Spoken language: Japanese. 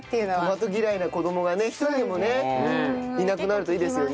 トマト嫌いな子どもがね１人でもねいなくなるといいですね。